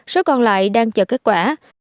số còn lại đang chờ kết quả